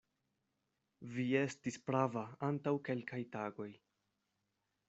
Vi estis prava antaŭ kelkaj tagoj.